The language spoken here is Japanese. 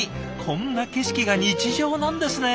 こんな景色が日常なんですね。